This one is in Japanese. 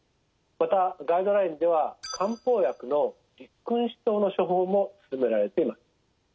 またガイドラインでは漢方薬の六君子湯の処方も勧められています。